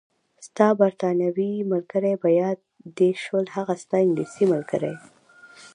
ستا بریتانوي ملګرې، په یاد دې شول؟ هغه ستا انګلیسۍ ملګرې.